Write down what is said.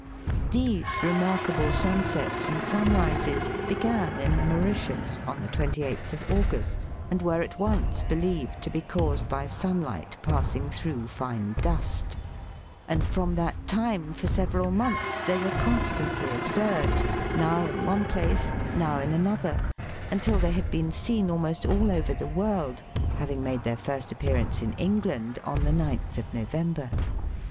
These remarkable sunsets and sunrises began in the Mauritius on the 28th of August, and were at once believed to be caused by sunlight passing through fine dust ; and from that time for several months they were constantly observed, now in one place, now in another, until they had RED FOG OF THE ATLANTIC. 13 been seen almost all over the world, having made their first appearance in England on the 9th of November.